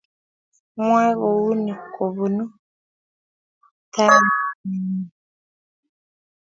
amwoe kounii kobunu naitaenyu